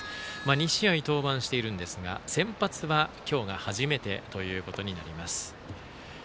２試合登板しているんですが先発は今日が初めてとなります。